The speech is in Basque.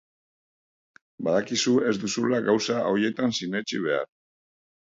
Badakizu ez duzula gauza horietan sinetsi behar.